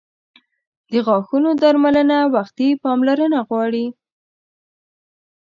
• د غاښونو درملنه وختي پاملرنه غواړي.